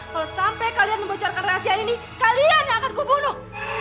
kalau sampai kalian membocorkan rahasia ini kalian yang akan kubunuh